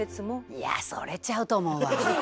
いやそれちゃうと思うわ。